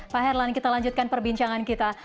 pak herlan kita lanjutkan perbincangan kita